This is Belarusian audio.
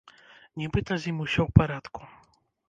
Нібыта з ім усё ў парадку.